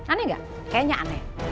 aneh gak kayaknya aneh